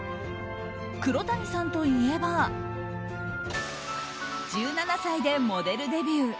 黒谷さんといえば１７歳でモデルデビュー。